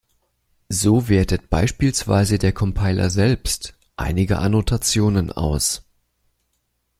So wertet beispielsweise der Compiler selbst einige Annotationen aus.